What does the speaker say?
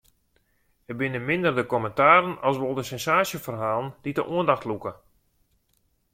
It binne minder de kommentaren as wol de sensaasjeferhalen dy't de oandacht lûke.